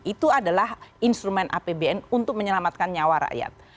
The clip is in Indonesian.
itu adalah instrumen apbn untuk menyelamatkan nyawa rakyat